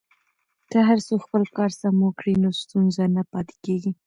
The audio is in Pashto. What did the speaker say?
که هر څوک خپل کار سم وکړي نو ستونزه نه پاتې کیږي.